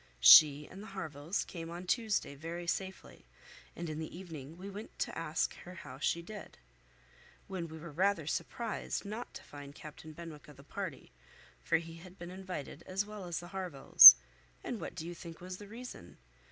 She and the Harvilles came on Tuesday very safely, and in the evening we went to ask her how she did, when we were rather surprised not to find Captain Benwick of the party, for he had been invited as well as the Harvilles; and what do you think was the reason?